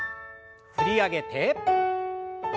振り上げて。